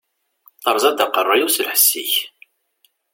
Teṛṛẓiḍ-d aqeṛṛu-yiw s lḥess-ik!